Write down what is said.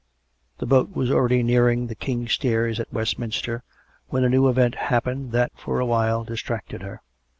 .... The boat was already nearing the King's Stairs at Westminster, when a new event happened that for a while distracted her.